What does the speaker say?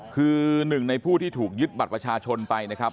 คือหนึ่งในผู้ที่ถูกยึดบัตรประชาชนไปนะครับ